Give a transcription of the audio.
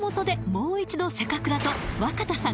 もう一度「せかくら」と若田さん